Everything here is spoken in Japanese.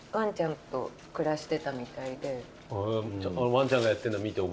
ワンちゃんがやってるの見て。